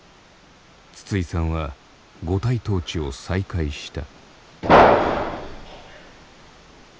筒井さんは五体投地を再開した。